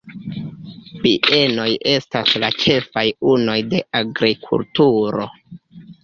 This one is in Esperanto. Bienoj estas la ĉefaj unuoj de agrikulturo.